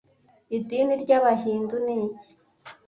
IDINI ry’Abahindu ni iki